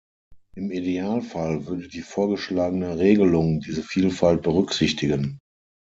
Im Idealfall würde die vorgeschlagene Regelung diese Vielfalt berücksichtigen.